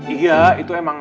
iya itu emang